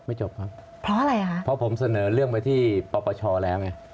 เพราะอะไรคะพอผมเสนอเรื่องไปที่ปชแล้ว